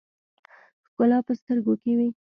ښکلا په سترګو کښې وي